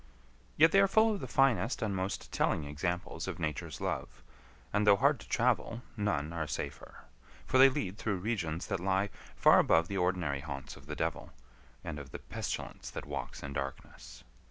Yet they are full of the finest and most telling examples of Nature's love; and though hard to travel, none are safer. For they lead through regions that lie far above the ordinary haunts of the devil, and of the pestilence that walks in darkness.